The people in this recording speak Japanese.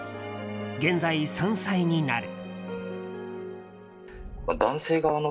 現在、３歳になる。